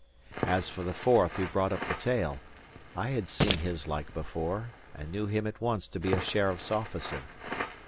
As for the fourth, who brought up the tail, I had seen his like before, and knew him at once to be a sheriff's officer.